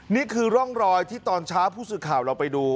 นี่คือร่องรอยที่ตอนเช้าผู้สื่อข่าวเราไปดู